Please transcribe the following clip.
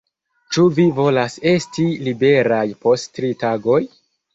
Ĉu vi volas esti liberaj post tri tagoj?